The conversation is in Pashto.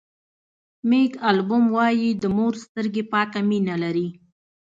مېک البوم وایي د مور سترګې پاکه مینه لري.